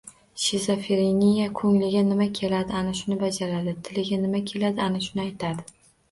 Shizofreniya — ko‘ngliga nima keladi, ana shuni bajaradi, tiliga nima keladi, ana shuni aytadi.